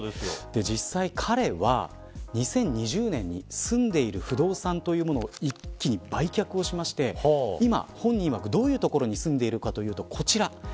実際彼は、２０２０年に住んでいる不動産というものを一気に売却しまして今、本人は、どういう所に住んでいるかというとこちら。